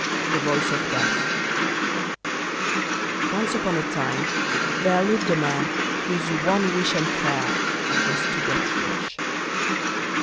THE VOICE OF DEATH Once upon a time there lived a man whose one wish and prayer was to get rich.